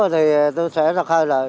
thì tôi sẽ ra khơi lại